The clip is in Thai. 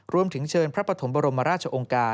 รวมถึงเชิญพระปฐมบรมราชองค์การ